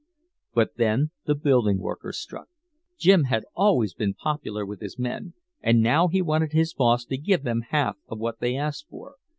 "But then the building workers struck. Jim had always been popular with his men, and now he wanted his boss to give them half of what they asked for.